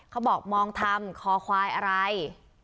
เขาบอกมองทำคอควายอะไร